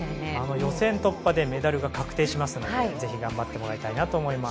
予選突破でメダルが確定しますので頑張ってほしいと思います。